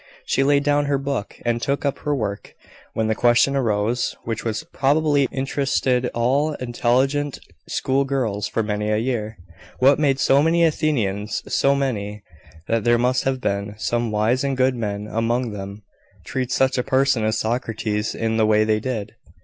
She laid down her book, and took up her work, when the question arose, which has probably interested all intelligent school girls for many a year What made so many Athenians, so many, that there must have been some wise and good men among them, treat such a person as Socrates in the way they did?